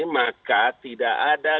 maka tidak ada